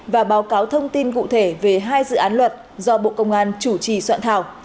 và báo cáo thông tin cụ thể về hai dự án luật do bộ công an chủ trì soạn thảo